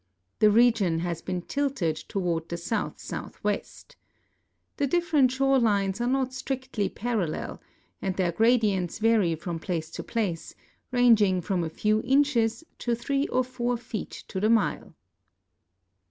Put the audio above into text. The region has been tilted toward the south southwest. The dif ferent shore lines are not strictl}^ parallel, and their gradients vary from place to place, ranging from a few inches to three or four feet to the mile.